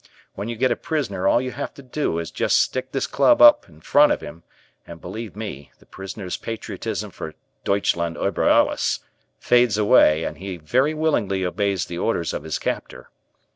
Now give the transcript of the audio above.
When you get a prisoner all you have to do is just stick this club up in front of him, and believe me, the prisoner's patriotism for Deutschland Uber Alles fades away and he very willingly obeys the orders of his captor.